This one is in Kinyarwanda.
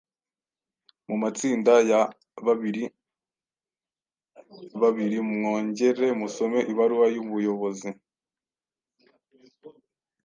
Mu matsinda ya babiribabiri mwongere musome ibaruwa y’ubuyobozi,